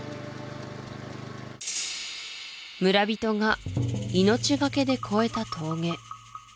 村人が命がけで越えた峠